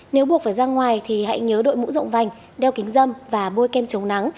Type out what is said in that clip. nếu buộc phải ra ngoài thì hãy nhớ đội mũ rộng vành đeo kính dâm và bôi kem chống nắng